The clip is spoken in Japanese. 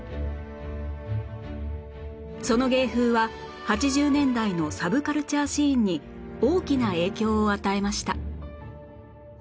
その芸風は８０年代のサブカルチャーシーンに大きな影響を与えました